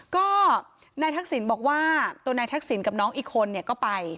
ก็นายทักษิณบอกว่าตัวนายทักษิณกับน้องอีกคนเนี่ยก็ไป